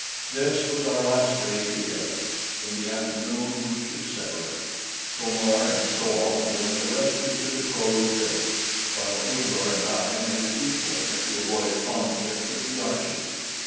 This was our last day together. In the afternoon we should separate, To mar and So al going directly to the Kro lu village, while Ajor and I made a detour to avoid a conflict with the archers.